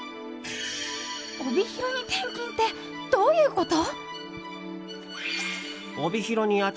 帯広に転勤ってどういうこと？